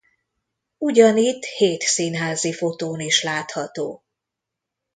Ugyanitt hét színházi fotón is látható.